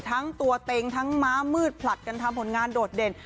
ทั้งตัวเต็งทั้งม้ามืดผลัดกันทำผลงานโดดเด่น